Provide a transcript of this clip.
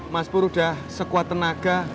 mas pur sudah sekuat tenaga